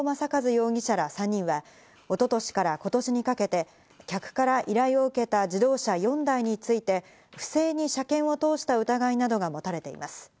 容疑者ら３人は一昨年から今年にかけて客から依頼を受けた自動車４台について、不正に車検を通した疑いなどが持たれています。